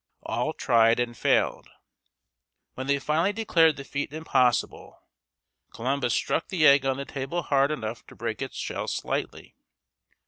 All tried, and failed. When they finally declared the feat impossible, Columbus struck the egg on the table hard enough to break its shell slightly.